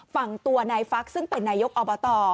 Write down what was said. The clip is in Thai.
ฝั่งตัวนายฟักซึ่งเป็นนายกอบต